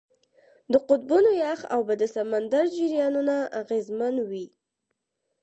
د قطبونو یخ اوبه د سمندر جریانونه اغېزمنوي.